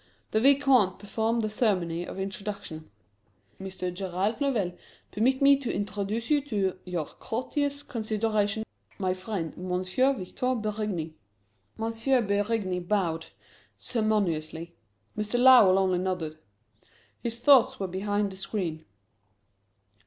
The Vicomte performed the ceremony of introduction. "Mr. Gerald Lovell, permit me to introduce to your courteous consideration my friend, M. Victor Berigny!" M. Berigny bowed, ceremoniously. Mr. Lovell only nodded his thoughts were behind the screen.